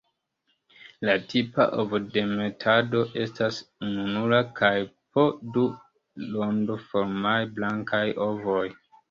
La tipa ovodemetado estas ununura kaj po du rondoformaj blankaj ovoj.